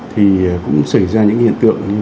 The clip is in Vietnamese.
thì cũng xảy ra những hiện tượng